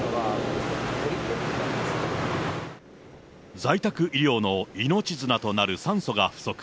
在宅医療の命綱となる酸素が不足。